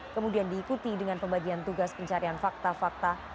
kemudian diikuti dengan pembagian tugas pencarian fakta fakta